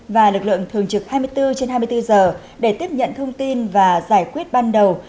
và lực lượng thường trực hai mươi bốn trên hai mươi bốn giờ để tiếp nhận thông tin và giải quyết ban đầu